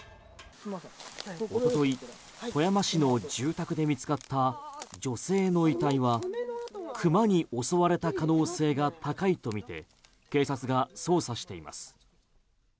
おととい、富山市の住宅で見つかった女性の遺体は熊に襲われた可能性が高いとみて警察が捜査しています。